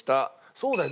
そうだよ。